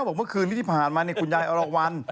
บอกเมื่อคืนนี้ที่ผ่านมาคุณยายอรวรรณ